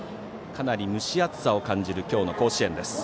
かなり蒸し暑さを感じる今日の甲子園です。